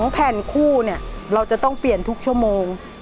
แผ่นคู่เนี่ยเราจะต้องเปลี่ยนทุกชั่วโมง